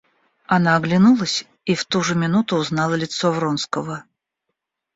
Она оглянулась и в ту же минуту узнала лицо Вронского.